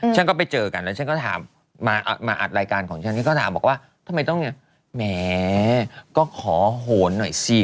ฉันก็ไปเจอกันแล้วฉันก็ถามมาอัดรายการของฉันฉันก็ถามบอกว่าทำไมต้องแหมก็ขอโหนหน่อยสิ